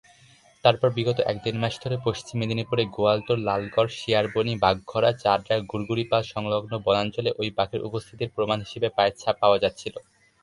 তারপর বিগত এক-দেড়মাস ধরে পশ্চিম মেদিনীপুরের গোয়ালতোড়-লালগড়-শিয়াড়বনী-বাঘঘরা-চাঁদড়া-গুড়গুড়িপাল সংলগ্ন বনাঞ্চলে ঐ বাঘের উপস্থিতির প্রমাণ হিসেবে পায়ের ছাপ পাওয়া যাচ্ছিল।